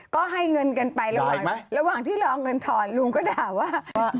ก็ให้เงินกันไประหว่างที่รอเงินถอนลุงก็ด่าว่า